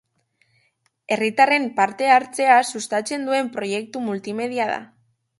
Herritarren parte hartzea sustatzen duen proiektu multimedia da.